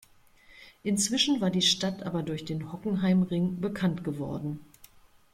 Inzwischen war die Stadt aber durch den Hockenheimring bekannt geworden.